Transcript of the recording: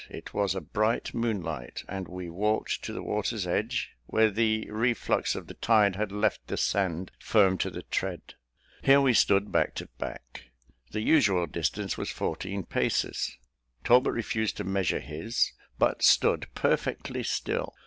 It was a bright moonlight, and we walked to the water's edge, where the reflux of the tide had left the sand firm to the tread. Here we stood back to back. The usual distance was fourteen paces. Talbot refused to measure his, but stood perfectly still.